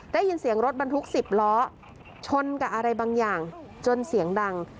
ได้ยินเสียงรถบรรทุก๑๐ล้อชนกับอะไรบางอย่างจนเสียงดัง